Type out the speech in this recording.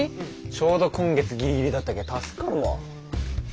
ちょうど今月ギリギリだったけ助かるわ。